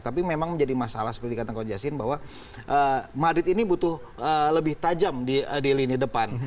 tapi memang menjadi masalah seperti dikatakan coach justin bahwa madrid ini butuh lebih tajam di lini depan